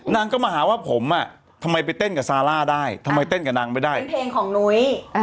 นางก็มาหาว่าผมอ่ะทำไมไปเต้นกับซาร่าได้ทำไมเต้นกับนางไม่ได้เป็นเพลงของนุ้ย